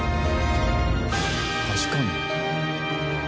確かに。